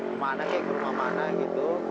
kemana kayak ke rumah mana gitu